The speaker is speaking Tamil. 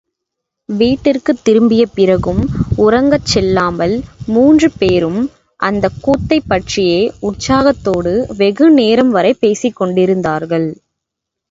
வீட்டிற்குத் திரும்பிய பிறகும் உறங்கச் செல்லாமல் மூன்று பேரும் அந்தக் கூத்தைப் பற்றியே உற்சாகத்தோடு வெகு நேரம்வரை பேசிக்கொண்டிருந்தார்கள்.